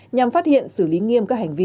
nhằm phát hiện xử lý nghiêm các hành vi